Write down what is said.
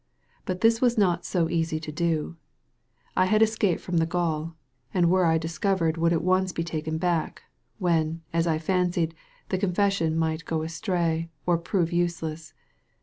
But this was not so easy to do. I had escaped from gaol, and were I discovered would be at once taken back, when, as I fancied, the confession might go astray or prove useless.